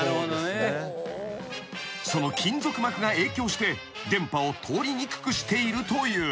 ［その金属膜が影響して電波を通りにくくしているという］